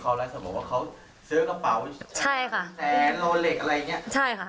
ต่อมาแล้วแสบว่าเขาเสื้อกระเป๋าใช่ค่ะนโลเหล็กอะไรเงี้ยใช่ค่ะ